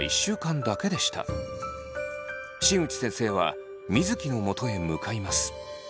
新内先生は水城のもとへ向かいます。